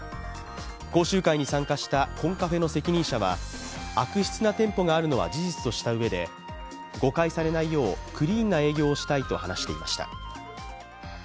講習会に参加したコンカフェの責任者は悪質な店舗があるのは事実としたうえで誤解されないようクリーンな営業をしたいと話していました。